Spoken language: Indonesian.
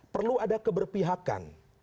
perlu ada keberpihakan